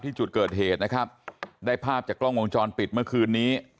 จุดเกิดเหตุนะครับได้ภาพจากกล้องวงจรปิดเมื่อคืนนี้